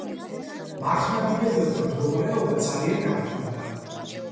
მართლმადიდებელთა მდგომარეობა ძალიან გართულდა.